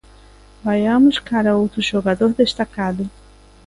Vaiamos cara a outro xogador destacado.